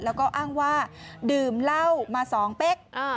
แล้วก็อ้างว่าดื่มเหล้ามา๒เป๊ก